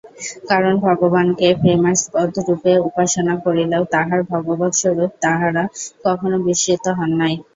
কারণ ভগবানকে প্রেমাস্পদরূপে উপাসনা করিলেও তাঁহার ভগবৎস্বরূপ তাঁহারা কখনও বিস্মৃত হন নাই।